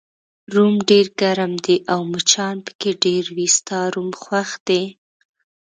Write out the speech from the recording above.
روم ډېر ګرم دی او مچان پکې ډېر وي، ستا روم خوښ دی؟